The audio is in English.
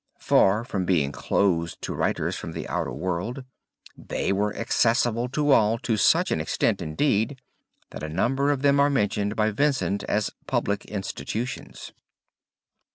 Far from being closed to writers from the outer world they were accessible to all to such an extent, indeed, that a number of them are mentioned by Vincent as public institutions.